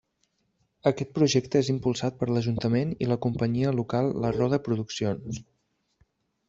Aquest projecte és impulsat per l’Ajuntament i la companyia local La Roda Produccions.